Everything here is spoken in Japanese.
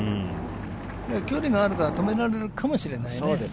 距離があるから止められるかもしれないね。